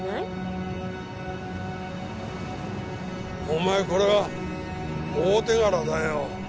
お前これは大手柄だよ。